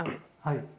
はい。